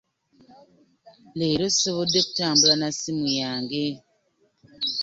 Leero sisobodde kutambula na ssimu yange.